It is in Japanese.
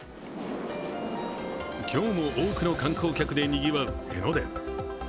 今日も多くの観光客でにぎわう江ノ電。